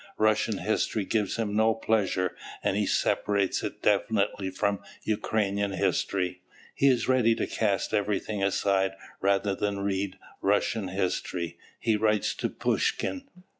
Russian history gives him no pleasure, and he separates it definitely from Ukrainian history. He is "ready to cast everything aside rather than read Russian history," he writes to Pushkin.